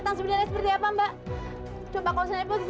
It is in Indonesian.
kamu sembarangan aja kalau nuduh